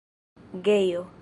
gejo